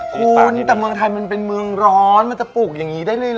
คุณแต่เมืองไทยมันเป็นเมืองร้อนมันจะปลูกอย่างนี้ได้เลยเหรอ